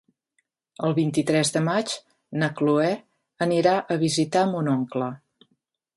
El vint-i-tres de maig na Cloè anirà a visitar mon oncle.